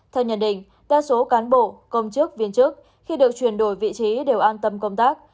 theo nhận định đa số cán bộ công chức viên chức khi được chuyển đổi vị trí đều an tâm công tác